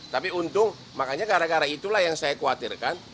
tapi untung makanya gara gara itulah yang saya khawatirkan